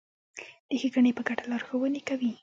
د ښېګڼې په ګټه لارښوونې کوي.